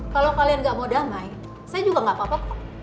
kalau kalian gak mau damai saya juga gak apa apa kok